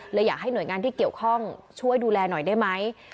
อยากให้หน่วยงานที่เกี่ยวข้องช่วยดูแลหน่อยได้ไหม